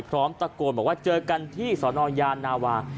พร้อมตะโกนบอกว่าเจอกันที่สนยานาวา